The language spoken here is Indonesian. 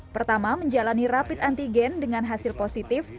pertama menjalani rapid antigen dengan hasil positif